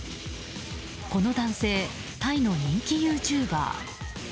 この男性、タイの人気ユーチューバー。